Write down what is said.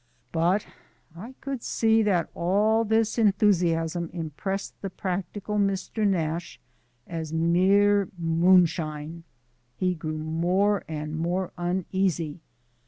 But I could see that all this enthusiasm impressed the practical Mr. Nash as mere moonshine. He grew more and more uneasy.